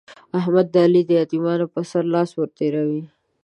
احمد د علي د يتيمانو پر سر لاس ور تېروي.